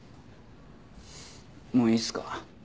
もういいっすか？